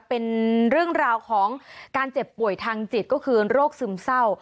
เป็นเรื่องราวของการเจ็บป่วยทางจิตก็คือโรคซึมเศร้า